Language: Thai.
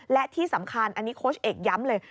และที่สำคัญอันนี้โค้ชเอกย้ำเลย